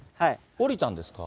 降りたんですか？